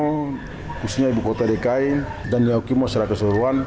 yahukimo khususnya ibu kota dekai dan yahukimo secara keseluruhan